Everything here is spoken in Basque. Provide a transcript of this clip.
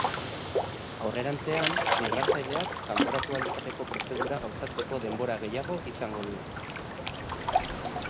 Aurrerantzean, migratzaileak kanporatu ahal izateko prozedura gauzatzeko denbora gehiago izango du.